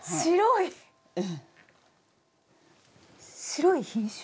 白い品種？